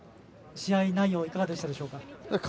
試合内容いかがだったでしょうか。